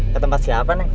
ke tempat siapa neng